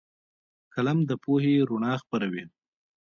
قلم د پوهې رڼا خپروي